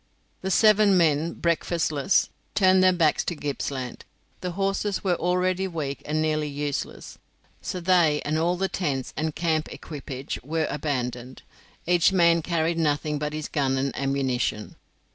The seven men, breakfastless, turned their backs to Gippsland. The horses were already weak and nearly useless, so they and all the tents and camp equipage were abandoned. Each man carried nothing but his gun and ammunition.